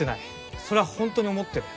それはホントに思ってる。